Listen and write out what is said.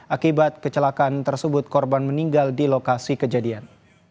akibat kecelakaan tersebut korban meninggal di lokasi kejadian